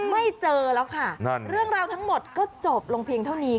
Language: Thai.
ไม่เจอแล้วค่ะนั่นเรื่องราวทั้งหมดก็จบลงเพียงเท่านี้